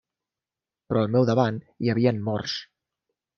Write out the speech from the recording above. Però al meu davant hi havien morts.